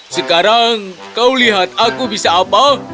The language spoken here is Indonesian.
sekarang kau lihat aku bisa apa